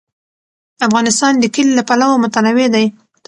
افغانستان د کلي له پلوه متنوع دی.